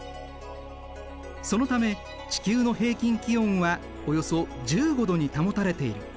そのため地球の平均気温はおよそ１５℃に保たれている。